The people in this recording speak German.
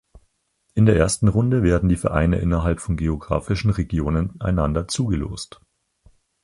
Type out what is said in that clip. In der ersten Runde werden die Vereine innerhalb von geografischen Regionen einander zugelost.